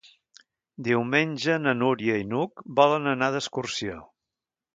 Diumenge na Núria i n'Hug volen anar d'excursió.